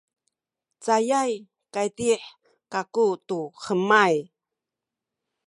cayay kaydih kaku tu hemay